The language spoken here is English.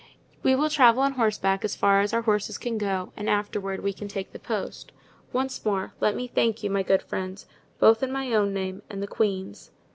We will travel on horseback as far as our horses can go and afterward we can take the post. Once more, let me thank you, my good friends, both in my own name and the queen's."